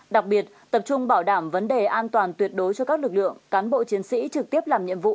đặc biệt tập trung bảo đảm vấn đề an toàn tuyệt đối cho các lực lượng cán bộ chiến sĩ trực tiếp làm nhiệm vụ